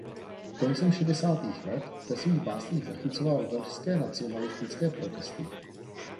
Koncem šedesátých let ve svých básních zachycoval velšské nacionalistické protesty.